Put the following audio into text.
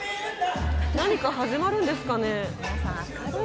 何か始まるんですかね？